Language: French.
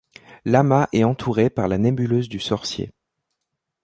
L'amas est entouré par la nébuleuse du Sorcier.